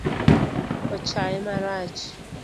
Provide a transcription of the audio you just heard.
Ochaye marach